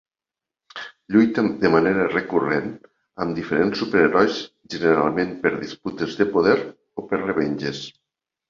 Lluita de manera recurrent amb diferents superherois generalment per disputes de poder o per revenges.